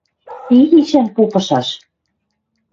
Ти гишӓн попышаш